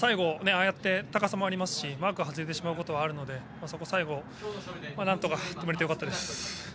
高さもありますしマークが外れてしまうことはあるので最後、なんとか止められてよかったです。